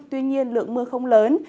tuy nhiên lượng mưa không lớn